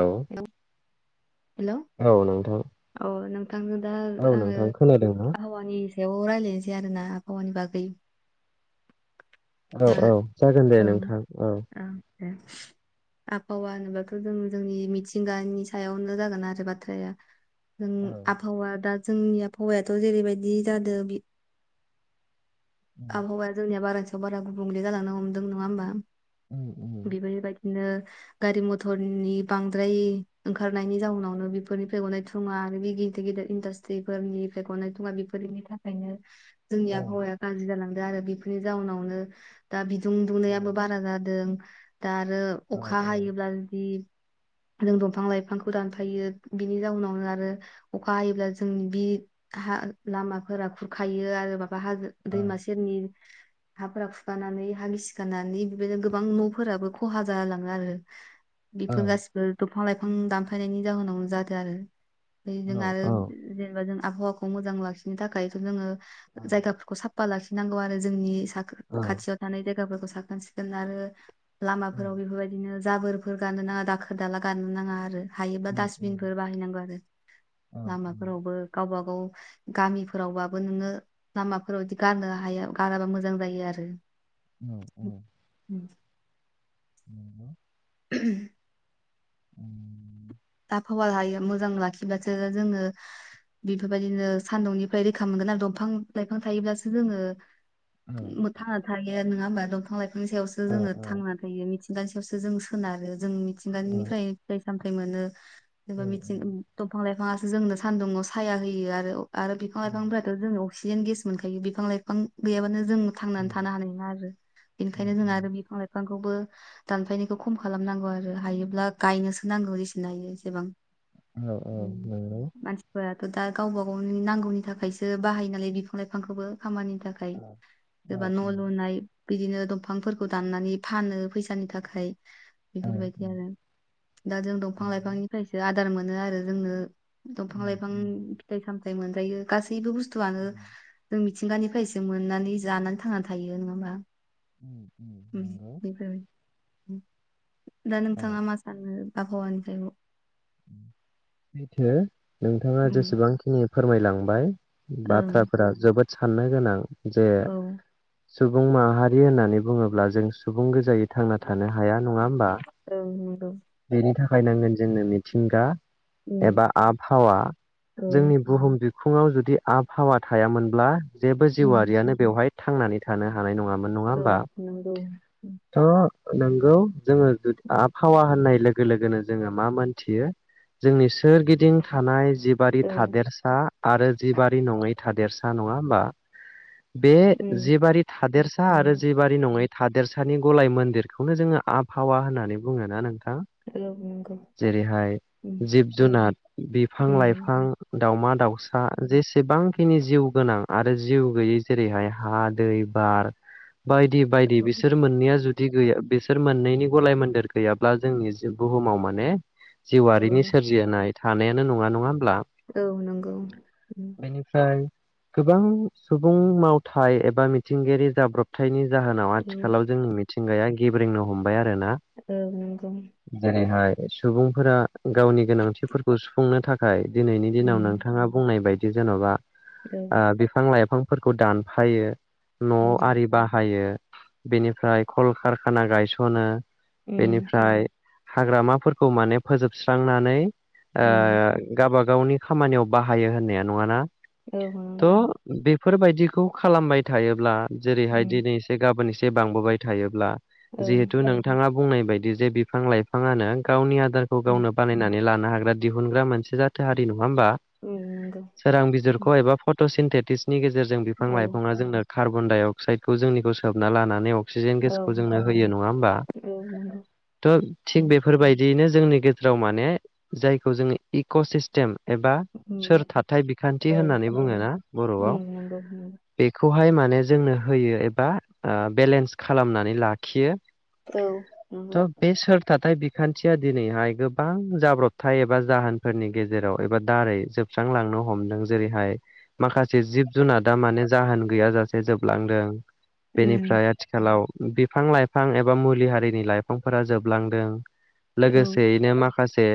औ हेल' औ नों औ नोंथांजों दा आङो नोंथां खोनादों ना आहावानि सायाव रायलायनोसै आरोना। आबहावानि बागै। औ दा औ जागोन दे ओं नोंथां औ। ओं दे आबहावा होनोबाथ' जों जोंनि। मिथिंगानि सायावनो जागोन आरो बाथ्राया जों औ आबहावा दा जोंनि आबहावायाथ' जेरैबायदि जादों बि उम आबहावाया जोंनिया बारानि सायाव बारा गुबुंगले जालांनो हमदों नङा होमबा उम उम बिदिनो गारि मथरनि बांद्राय ओंखारनायनि जाउनावनो बेफोरनिफ्राय ग'नाय थुङा आरो बे गिदिर गिदिर इन्डासट्रिफोरनि ख'नायथङा [unintelligible] बेफोरनि थाखायनो जोंनि औ आबहावाया गाज्रि जालांदों आरो बेफोरनि जाउनावनो दा बि दुं औ दुनायाबो बारा जादों दा आरो औ अखा हायोब्ला जुदि जों दंफां लाइफांखौ दानफायो बिनि जाउनावनो आरो अखा हायोब्ला जोंनि बि हा लामाफोरा खुरखायो आरो माबा हाजो औ दैमा सेरनि हाफोरा खुखानानै हा गिसिखानानै बिदिनो गोबां न'फोराबो खहा जालाङो आरो बेफोर गासिबो दंफां लाइफां दानफायनायनि जाहोनावनो जादों आरो जों आरो औ जेनेबा जों आबहावाखौ मोजां लाखिनो थाखायथ' जोङो औ जायगाफोरखौ साफा लाखिनांगौ आरो जोंनि सा औ खाथियाव थानाय जाय गलाफोरखौ साखोन सिखोन आरो उम लामाफोराव बेफोरबायदिनो जाबोरफोर गानो नाङा दाखा दाला गारनो नाङा आरो हायोबा उम उम डासटबिनफोर बाहायनांगौ आरो औ उम लामाफोरावबो गावबा गाव गामिफोरावबाबो नोङो लामाफोराव बिदि गारनो हाया गाराबा मोजां जायो आरो औ औ उम [unintelligible] [unintelligible] औ आफावाखो हायो मोजां लाखिबासो जोङो बेफोरबायदिनो सान्दुंनिफ्राय रोखा मोनगोन आरो दंफां लाइफां थायोब्लासो जोङो औ थांना थायो नङा होमबा दंफां लाइफांनि सायावसो औ जोङो थांना थायो मिथि मिथिंगानि सायावसो जों सोनारो जों औ औ मिथिंगानिफ्राय फिथाइ सामथाय मोनो। जेनेबा उम मिथिं दंफां लाइफाङासो जोंनो सानदुुंङाव साया होयो आरो आरो बिफां उम लाइफांफोराथ' जों अक्सिजेन गेस मोनखायो बिफां लाइफां गैयाबानो जों थांनानै थानो हानाय नङा आरो उम बेनिखायनो जों उम आरो बिफां लाइफांखौ खौबो दानफायनायखौ खम खालामनांगौ आरो हायोब्ला गायनोसो नांगौ जसेनो हायो एसेबां औ नंगौ मानसिफोरा दा गावबा गावनि नांगौनि थाखायसो बाहायो नालाय बिफां लाइफांखौबो खामानि थाखाय औ सोरबा औ न' उम लुनाय बिदिनो दंफांफोरखौ दाननानै फानो फैसानि थाखाय औ बेफोरबायदि उम आरो दा जों दंफां नंगौ लाइफांनिफ्रायसो आदार मोनो आरो जोंनो दंफां उम लाइफां उम फिथाइ सामथाय मोनजायो गासैबो बुस्थुआनो उम जों मिथिंगानिफ्रायसो मोननानै जानानै थांनानै थायो नङा होमबा उम नोंगौ बेफोरबायदि दा नोंथाङा मा सानो आबहावानि सैथो नोंथाङा उम जेसेबांखिनि फोरमायलांबाय ओं बाथ्राफोरा जोबोद साननो गोनां जे औ सुबुं माहारि होननानै बुङोब्ला जों सुबुं गोजायै थांना थानो हाया नङा होमबा औ नंगौ बेनि थाखाय नांगोन जोंनो मिथिंगा उम एबा आबहावा औ जोंनि बुहुम बिखुं ङाव जुदि आबहावा थायामोनब्ला जेबो उम जिउआरारियानो बेवहाय थांनानै थानो हानाङामोन नङा औ होमबा नंगौ थ' नोंगौ जोङो आफहावा होननाय लोगो लोगोनो जोङो मा मोन थियो जोंनि सोरगिदिं थानाय जिबारि औ थादेरसा आरो जिबारै नङै थादेरसा नङा होमबा बे उम जिबारि थादेरसा आरो जिबारि नङै थादेरसानि गलाय मोनदेरखौनो जोङो आबहावा होननानै बुङोना नोंथां हेलौ नंगौ जेरैहाय उम जिब जुनार बिफां उम लाइफां दाउमा दाउसा जेसेबांखिनि जिउ गोनां आरो जिउ गैयै जेरैहाय हा दै बार बायदि बायदि बिसोर मोननैया जुदि दि गैया बिसोर मोननैनि गलाय मोन्देर गैयाब्ला जोंनि बुहुमाव माने औ जिउआरारिनि सोरजिहाय थानायानो नङा नङा ला औ नंगौ उम बेनिफ्राय गोबां सुबुं मावथाय एबा मिथिंगायारि जाब्रबथायनि जाहोनाव औ आथिखालाव जोंनि मिथिंगाया गेब्रेंंनो हमबाय आरोना औ नंगौ जेरैहाय सुबुंफोरा गावनि गोनांथिफोरखौ सुफुंनो थाखाय दिनैनि दिनाव उम नोंथाङा बुंनाय बायदि जेनेबा औ बिफां लाइफांफोरखौ दानफायो न' औ आरि बाहायो बेनिफ्राय कल कारखाना गायसनो उम बेनिफ्राय हाग्रामाफोर खौ माने फोजोबस्रांनानै उम गावाबााव गावनि खामानियाव बाहायो होननाया नङाना औ नंगौ फोरबायदिखौ खालामबाय थायोब्ला जेरैहाय उम दिनै एसे गाबोन एसे बांबोबाय थायोब्ला औ जिहेथु नोंथाङा बुंनाय बायदि जे बिफां लाइफाङानो गावनि आ खौ उम गावनो बानायनानै लानो हाग्रा दिहुनग्रा मोनसे जाथो हारि नङा नङा होमबा उम नंगौ सोरां बिजिरखौ एबा फट'सिन्थेटिक्सनि गेजेरजों बिफां औ लाइफाङा जोंनो कार्बन डाइ अक्साइडखौ जोंनिखौ सोबना लानानै अ अक्सिजेन औ गेसखौ जोंनो होयो नङा होमबा नंगौ थ थिग उम बे बायदियैनो जोंनि गेजेराव माने जायखौ जोङो इक' सिस्टेम एबा उम सोर थााथथाय बिखान्थि औ होननानै बुङो नंगौ ना बर'आव उम नंगौ बेखौहाय माने जोंनो होयो एबा बेलेन्स खालामनानै लाखियो नंगौ औ नंगौ थ बेसुर थाथाय खान्थिया दिनैहाय गोबां जाब्रबथाय एबा जाहोनफोरनि गेजेराव एबा दारै जोबस्रांलांनो हमदों जेरैहाय माखासे जिब जुनादा माने जाहोन गैयाजासे जोबलांदों उम बेनिफ्राय आथिखालाव बिफां लाइफां एबा मुलि हारिनि लाइफांफोरा जोबलांदों औ लोगोसेयैनो माखासे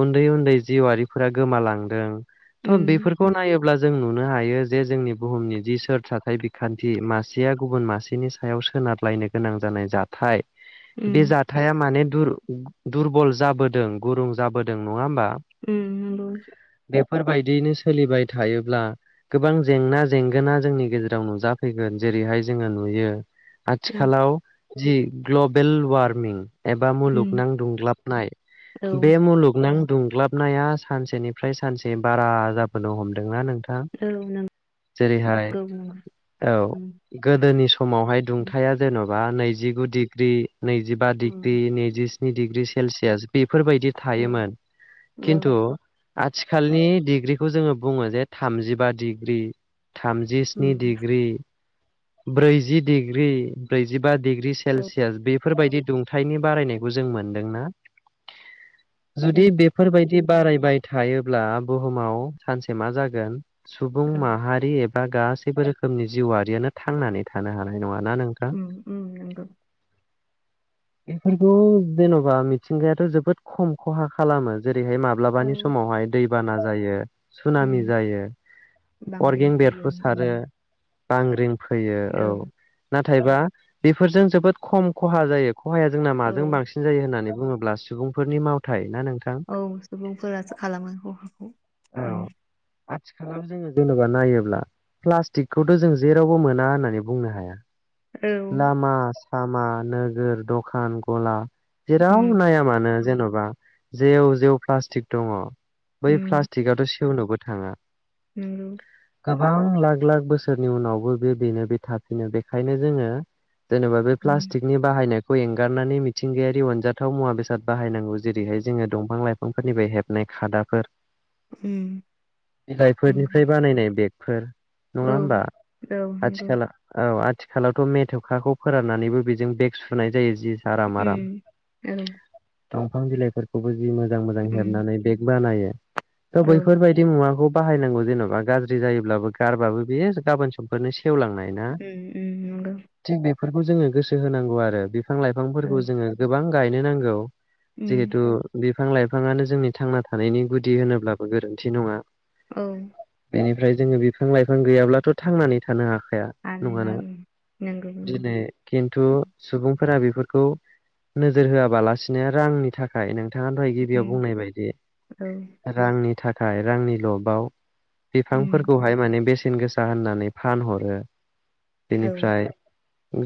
उन्दै उन्दै जिउआारिफोरा गोमालांदों थ' उम बेफोरखौ नाय अब्ला जों नुनो हायो जे जोंनि बुहुमनि जि सोर थाथाय बिखान्थि मासेया गुबुन मासेनि सायाव सोनारलायनो गोनां जानाय जाथाय बे उम जाथाया माने दुरबल जाबोदों गुरुं जाबोदों नङा उ फोरबायदियैनो सोलिबाय थायोब्ला गोबां जेंना जेंगोना जोंनि गेजेराव नुजाफैगोन जे जेरैहाय जोङो नुयो औ आथिखालाव जि ग्लबेल वार्मिं बा उम मुलुगनां दुंग्लाबनाय औ बे मुलुगनां दुंग्लाबनाया सानसेनिफ्राय सानसे बारा जाबोनो हमदोंना नों औ नंगौ जेरैहाय नंगौ नंगौ औ उम गोदोनि समावहाय उम दुंथाया जेन'बा बा नैजिगु डिग्रि नैजि बे उम नैजिस्नि डिग्रि सेलसियास बेफोरबायदि थायोमोन खिन्थु आथिखालनि डिग्रिखौ जोङो बुङो जे थामजिबा डिग्रि थामजि स्नि उम डिग्रि ब्रैजि डिग्रि ब्रैजि बा डिग्रि सेलसियास बेफोरबायदि दुंथायनि बारायनायखौ जों मोनदोंना जुदि बेफोरबायदि बारायबाय थायोब्ला बुहुमाव सानसे मा जागोन सुबुं माहारि एबा गासैबो रोखोमनि जिउआरियानो थांनानै थानो हानाय नङा ना नोंथां उम उम नंगौ बेफोरखौ जेन'बा मिथिंगायाथ' जोबोद खम खहा खालामो जेनब ओरैहाय माब्लाबानि समावहाय दैबाना जायो उम सुनामि जायो बांग्रिं अरगें फैयो बेरफो उम सारो बांग्रिं फैयो औ नाथायबा बेफोरजों जोबोद खम खहा जायो खहाया जोंना माजों औ बांसिन जायो होननानै बुङोब्ला सुबुंफोरनि मावथाय ना नों औ सुबुंफोरासो खालामो खहाखौ औ आथिखालाव जोङो जेनेबा नायोब्ला प्लास्टिकखौथ' जों जेरावबो मोना होननानै बुंनो हाया औ लामा सामा नोगोर दखान गला जेराव उम नाया मानो जेन'बा जेव जेव प्लास्टिक दङ बै प्लास्टिकआथ' सेवनोबो थाङा उ गोबां लाख लाख बोसोरनि उनावबो बे बेनो बे थाफिनो बेखायनो जोङो जेनेबा बे उम प्लास्टिकनि बाहायनायखौ खौ एंगारनानै मिथिंगायारि अनजाथाव मुवा बेसाद बाहायनांगौ जेरैहाय जोङो दंफां लाइफांफोरनिफ्राय हेबनाय खादाफोर उम नंगौ बिलाइफोरनिफ्राय बानायनाय बेगफोर औ नङा होमबा औ नंगौ आथिखला औ आथिखालावथ' मेथेवखाखौ फोराननानैबो बेजों बेग सुनाय जायो जि आराम उ आराम ओम दंफां बिलाइफोरखौबो जि मोजां मोजां हेबनानै बेग बानायो थ' औ बैफोरबायदि मुवाखौ बाहायनांगौ जेन'बा गाज्रि जायोब्लाबो गारबाबो बेयो गाबोन समफोरनो सेवलांनाय ना उ उम नंगौ थिग बेफोरखौ जोङो गोसो होनांगौ आरो बिफां औ लाइफांफोरखौ जोङो गोबां गायनो नांगौ उम जिहेथु बिफां लाइफाङानो जोंनि थांना थानायनि गुदि होनोब्लाबो गोरोन्थि नङा औ बेनिफ्राय जोङो बिफां लाइफां गैयाब्लाथ' थांनानै थानो हाखानाय हानोना नङा उम नंगौ दि नंगौ खिथु सुबुं फोरा बेफोरखौ नोजोर होआबालासिनो रांनि थाखाय नों नोंथाङा दहाय गिबियाव उम बुंनाय बायदि औ रांनि थाखाय रांनि लबाव उम बिफांफोरखौहाय माने बेसेन गोसा होननानै फानहरो औ बेनिफ्राय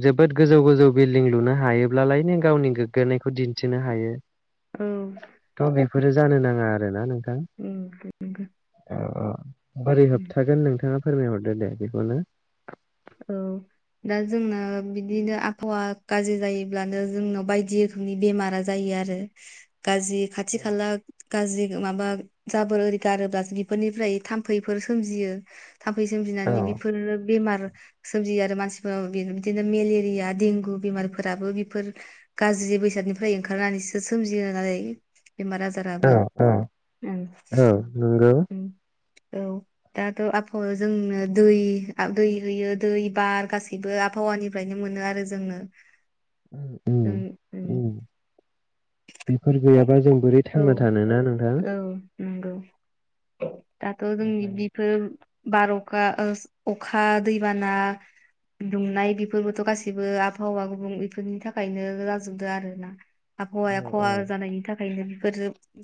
जोबोद गोजौ गोजौ बिल दिं लुनो हायोब्लालाय नो गावनि गोग्गानायखौ दिन्थिनो हायो औ थ' बेफोरो जानो नाङा आरोना नोंथां उम नंगौ औ औ बोरै उम होबथागोन नोंथाङा फोरमायहरदो दे बेखौनो औ दा जोंना बिदिनो आबहावा गाज्रि जायोब्लानो जोंनाव बायदि रोखोमनि बेमारा जायो आरो गाज्रि खाथि खाला गाज्रि माबा जाबोर ओरि गारोब्लासो बेफोरनिफ्राय थाम्फैफोर सोमजियो थाम्फै औ सोमजिनानै बेफोरो बेमार सोमजियो आरो मानसिफोर बिदिनो मेलेरिया देंगु बेमारफोराबो बेफोर गाज्रि बैसादनिफ्राय ओंखारनानैसो सोमजियो नालाय बेमार आजाराबो औ उम औ नंगौ औ दाथ' आबहावाया जोंनो दै दै होयो दै बार गासैबो आबहावानिफ्रायनो मोनो आरो जोङो उम उ उम उ बेफोर गैयाबा जों बोरै औ थांना थानोना नोंथां औ नंगौ दाथ' जोंनि बिफोर बार अखा अखा दैबाना दुंनाय बेफोरबोथ' गासैबो आबहावा गुबुंले बेफोरनि थाखायनो जाजोबदों आरोना औ आबहावाया औ खहा जानायनि थाखाय ओंखायनो बेफोर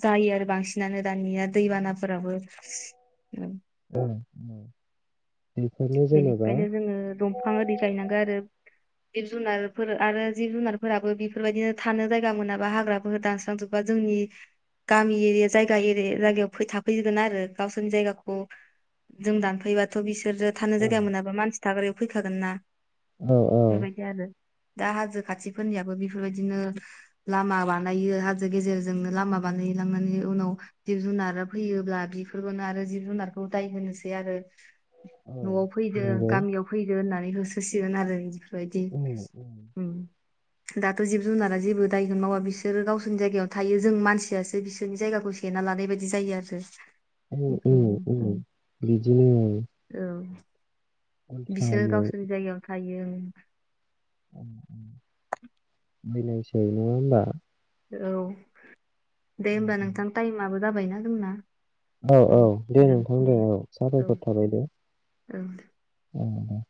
जायो आरो बांसिनानो दानिया दैबानाफोराबो औ बेनिखायनो जोङो दंफां आरि गायनांगौ आरो जिब जुनारफोर आरो जिब जुनारफोराबो बेफोरबायदिनो थानो जायगा मोनाबा हाग्राफोरखौ दानस्रां जोबोबा बा जोंनि गामि एरिया जायगा एरिया जायगायाव थाफैगोन आरो गावसोरनि जायगाखौ जों दानफैबाथ' बिसोरो थानो औ जायगा मोनाबा मानसि थाग्रायाव फैखागोन ना औ बेबायदि आरो दा हाजो खाथिफोरनियाबो बेफोरबायदिनो लामा बानायो हाजो गेजेरजोंनो लामा बा बानायहैलांनानै उनाव जिब जुनार फैयोब्ला बेफोरखौनो आरो जिब जुनारखौ दाय होनोसै आरो औ न'आव फैदो नंगौ गामियाव फैदो होननानै होसोसिगोन आरो बेबायदि उम दाथ' जिब जुनारा जेबो दायगोन मावा बिसोरो गावसोरनि जायगायावनो थायो जों मानसियासो बिसोरनि जायगाखौ से ना लानाय बायदि जायो आरो उम उम उम बेफोरनो बिदिनो औ बिसोरो गावसोरनि जायगायाव थायो बैनाय साय नङा होमबा औ दे होमबा नोंथां टाइमाबो जाबायना जोंना औ औ दे नोंथां दे औ औ सााबायखर थाबाय दे औ औ